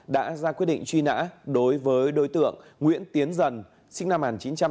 đã ra quyết định truy nã đối với đối tượng nguyễn tiến dần sinh năm một nghìn chín trăm tám mươi